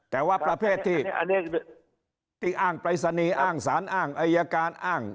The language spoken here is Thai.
อ๋ออ๋ออ๋อแต่ว่าประเภทที่อ้างปริศนีอ้างสารอ้างอายการอ้าง